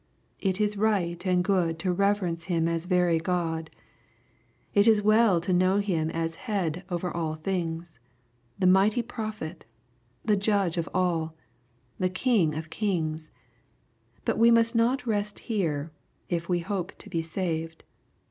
It is right and good to reverence Him as very God. It is well to know Him as Hesd over all things — the mighty Prophet — ^the Judge of all — the King of kings. But we must not rest here, if we hope to be saved.